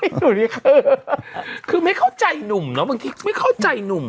ไอ้หนุ่มเนี้ยเคอคือไม่เข้าใจหนุ่มเนอะบางทีไม่เข้าใจหนุ่ม